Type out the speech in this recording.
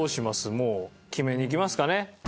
もう決めにいきますかね。